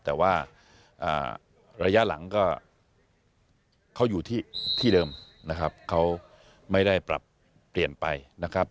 แต่ว่าระยะหลังก็เขาอยู่ที่เดิมนะครับเขาไม่ได้ปรับเปลี่ยนไปนะครับ